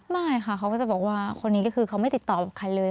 ไม่ค่ะเขาก็จะบอกว่าคนนี้ก็คือเขาไม่ติดต่อกับใครเลย